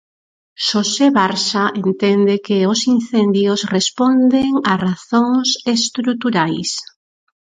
Xosé Barxa entende que os incendios responden a razóns estruturais.